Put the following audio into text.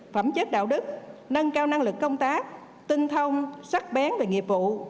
phẩm chất đạo đức nâng cao năng lực công tác tinh thông sắc bén về nghiệp vụ